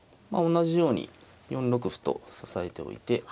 同じように４六歩と支えておいて。